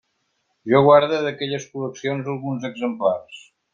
Jo guarde d'aquelles col·leccions alguns exemplars.